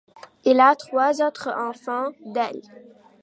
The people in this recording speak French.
Il a trois autres enfants d'elle.